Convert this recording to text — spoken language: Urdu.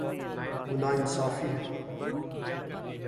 وہ نا انصافی ہے